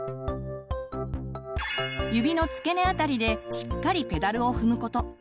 指の付け根あたりでしっかりペダルを踏むこと。